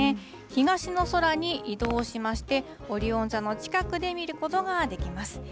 東の空に移動しまして、オリオン座の近くで見ることができます。